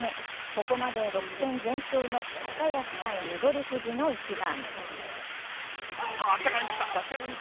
ここまで６戦全勝の高安×翠富士の一番。